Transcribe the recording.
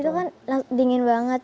itu kan dingin banget